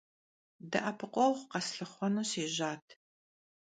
De'epıkhueğu kheslhıxhuenu sêjat.